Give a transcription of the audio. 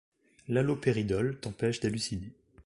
L’halopéridol t’empêche d’halluciner.